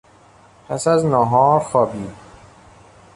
پس از نهار خوابید.